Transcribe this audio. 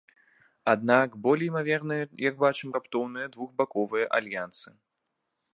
Аднак болей імаверныя, як бачым, раптоўныя двухбаковыя альянсы.